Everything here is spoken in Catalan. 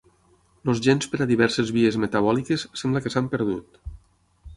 Els gens per a diverses vies metabòliques sembla que s'han perdut.